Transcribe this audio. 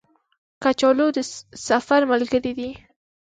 کچالو د سفر ملګری دی